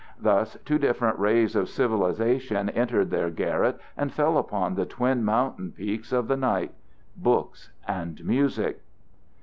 Thus two different rays of civilization entered their garret and fell upon the twin mountain peaks of the night books and music.